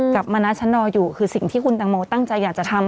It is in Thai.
มณัชฉันรออยู่คือสิ่งที่คุณตังโมตั้งใจอยากจะทำ